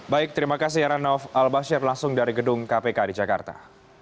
baik terima kasih arhanov albas syarif langsung dari gedung kpk di jakarta